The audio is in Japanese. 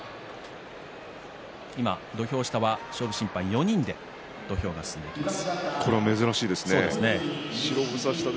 今、土俵下は勝負審判４人で土俵が進んでいきます。